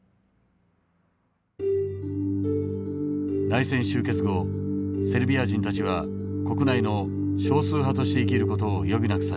内戦終結後セルビア人たちは国内の少数派として生きる事を余儀なくされた。